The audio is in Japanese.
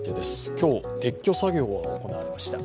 今日、撤去作業が行われました。